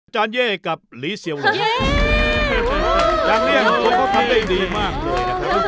จานเย่กับหลีเซียวีดังเลี่ยงตัวเขาทำได้ดีมากเลยนะครับ